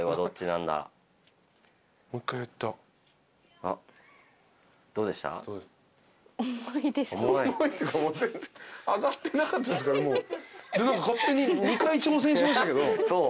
何か勝手に２回挑戦しましたけど。